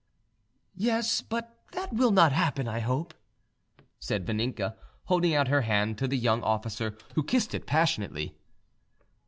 "Yes; but that will not happen, I hope," said Vaninka, holding out her hand to the young officer, who kissed it passionately.